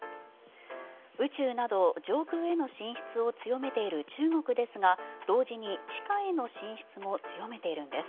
宇宙など上空への進出を強めている中国ですが同時に地下への進出も強めているんです。